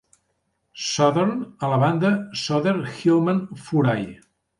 Southern a la banda Souther-Hillman-Furay.